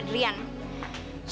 biar dia ngadrian